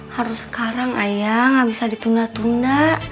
harus sekarang ayah nggak bisa ditunda tunda